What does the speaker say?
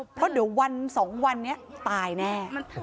เพราะเดี๋ยววัน๒วันนี้ตายแน่